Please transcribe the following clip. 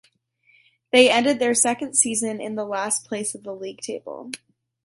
They ended their second season in the last place of the league table.